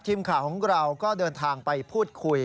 ทีมข่าวของเราก็เดินทางไปพูดคุย